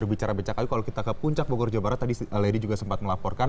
berbicara becak kali kalau kita ke puncak bogor jawa barat tadi lady juga sempat melaporkan